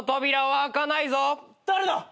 誰だ！？